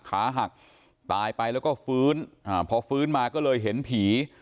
ขาหักตายไปแล้วก็ฟื้นอ่าพอฟื้นมาก็เลยเห็นผี